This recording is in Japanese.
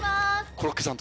コロッケさん